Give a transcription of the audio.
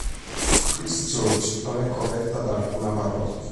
Christchurch non è coperta da alcuna parrocchia.